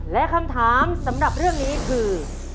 และคำถามสำหรับเรื่องนี้คือ